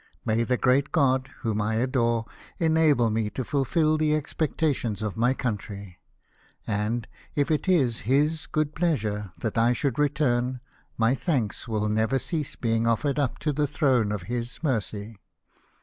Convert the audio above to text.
May the great God, whom I adore, enable me to fulfil the expectations of my country ! and, if it is His good pleasure that I should return, my thanks will never cease being offered up to the throne of His mercy.